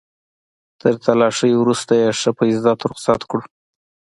تر تلاشۍ وروسته يې ښه په عزت رخصت کړو.